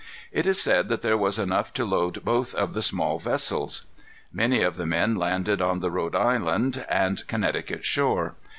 It is said that there was enough to load both of the small vessels. Many of the men landed on the Rhode Island and Connecticut shore.